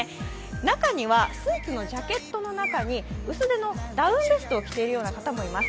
中にはスーツのジャケットの中に薄手のダウンベストを着ている方もいます。